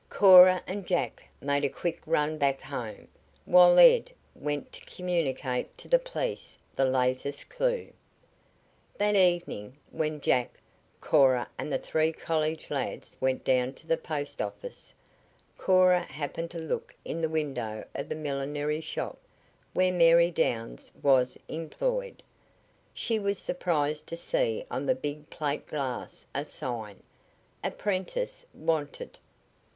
Cora and Jack made a quick run back home, while Ed, went to communicate to the police the latest clue. That evening, when Jack, Cora and the three college lads went down to the post office, Cora happened to look in the window of the millinery shop where Mary Downs was employed. She was surprised to see on the big plate glass a sign: "Apprentice Wanted."